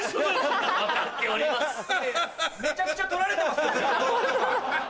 めちゃくちゃ撮られてますよずっと。